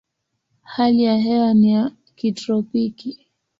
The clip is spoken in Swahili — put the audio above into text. Hali ya hewa ni ya kitropiki.